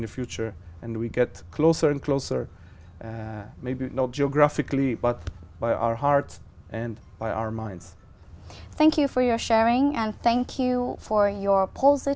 chúng tôi sẽ có nhiều hoạt động để giúp đỡ hợp lý của chúng tôi